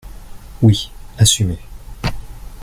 Oui, assumez